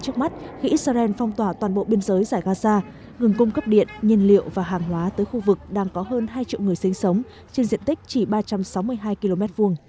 trước mắt khi israel phong tỏa toàn bộ biên giới giải gaza ngừng cung cấp điện nhiên liệu và hàng hóa tới khu vực đang có hơn hai triệu người sinh sống trên diện tích chỉ ba trăm sáu mươi hai km hai